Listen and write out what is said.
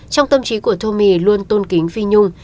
trong tâm trí của tommy luôn tôn kính phi nhung